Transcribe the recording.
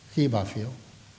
khi bỏ phiếu